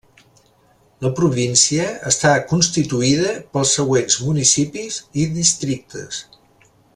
La província està constituïda pels següents municipis i districtes.